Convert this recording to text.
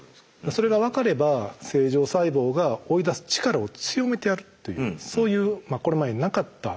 それが分かれば正常細胞が追い出す力を強めてやるというそういうこれまでになかったがんの。